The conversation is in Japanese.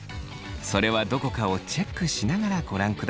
それはどこかをチェックしながらご覧ください。